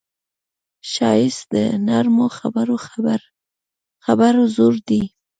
ښایست د نرمو خبرو زور دی